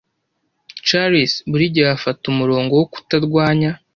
charles buri gihe afata umurongo wo kutarwanya